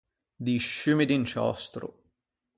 Di sciummi d’inciòstro.